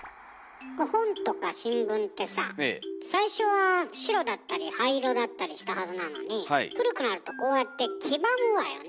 本とか新聞ってさ最初は白だったり灰色だったりしたはずなのに古くなるとこうやって黄ばむわよね。